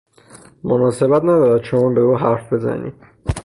مناسبت ندارد شما به او حرف بزنید.